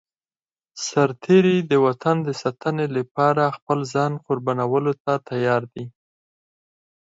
سرتېری د وطن د ساتنې لپاره خپل ځان قربانولو ته تيار دی.